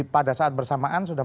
pada saat bersamaan sudah